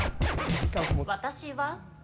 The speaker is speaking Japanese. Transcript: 私は。